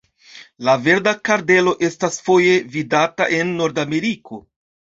La Verda kardelo estas foje vidata en Nordameriko.